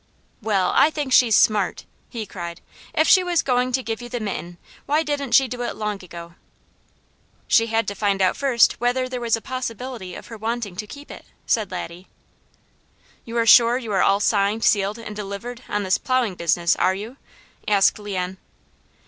"Well, I think she's smart!" he cried. "If she was going to give you the mitten, why didn't she do it long ago?" "She had to find out first whether there were a possibility of her wanting to keep it," said Laddie. "You're sure you are all signed, sealed, and delivered on this plowing business, are you?" asked Leon.